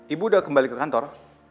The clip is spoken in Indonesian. ibu udah kembali ke kantor